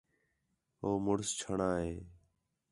ہو مُݨس چھݨاں ہِے